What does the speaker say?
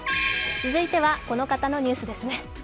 続いてはこの方のニュースですね。